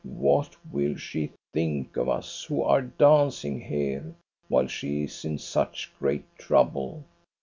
What will she think of us, who are dancing here, while she is in such great trouble.